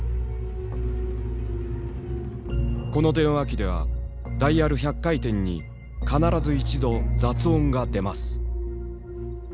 「この電話機ではダイヤル１００回転に必ず１度雑音が出ます」。